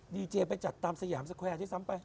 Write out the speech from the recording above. ดีเจไปจัดตามสยามสแควร์ด้วยซ้ำไป